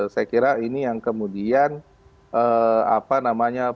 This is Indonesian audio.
saya kira ini yang kemudian apa namanya